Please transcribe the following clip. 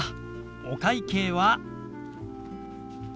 お会計は。